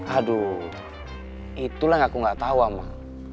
aduh itulah yang aku gak tau mak